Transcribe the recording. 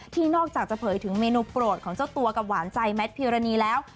นอกจากจะเผยถึงเมนูโปรดของเจ้าตัวกับหวานใจแมทพิวรณีแล้ว